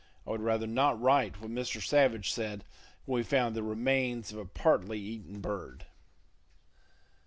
I would rather not write what Mr. Savage said when we found the remains of a partly eaten bird.